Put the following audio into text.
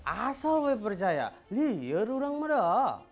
asal gue percaya lihat orang muda